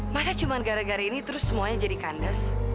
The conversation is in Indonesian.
masa cuma gara gara ini terus semuanya jadi kandas